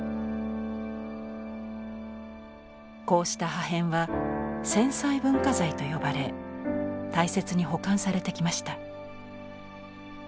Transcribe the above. こうした破片は「戦災文化財」と呼ばれ大切に保管されてきました。